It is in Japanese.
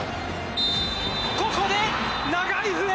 ここで長い笛！